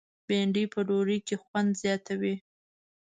بېنډۍ په ډوډۍ کې خوند زیاتوي